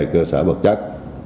cơ sở bật chất